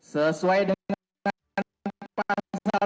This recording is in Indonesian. sesuai dengan pasal satu ratus dua puluh lima